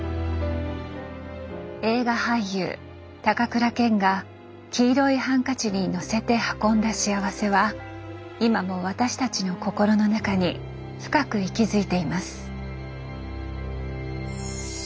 映画俳優高倉健が黄色いハンカチにのせて運んだ幸せは今も私たちの心の中に深く息づいています。